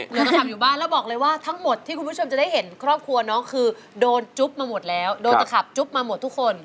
เหลือก็ขับอยู่บ้านแล้วบอกเลยว่าทั้งหมดที่คุณผู้ชมจะได้เห็นครอบครัวน้องคือโดนจุ๊บมาหมดแล้วโดนตะขับจุ๊บมาหมดทุกคน